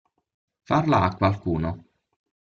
Farla a qualcuno.